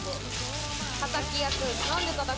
たたき焼く。